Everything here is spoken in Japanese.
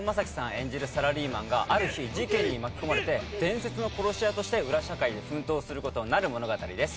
演じるサラリーマンがある日事件に巻き込まれて伝説の殺し屋として裏社会で奮闘する事になる物語です。